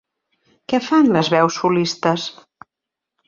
Què fan les veus solistes?